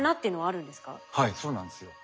はいそうなんですよ。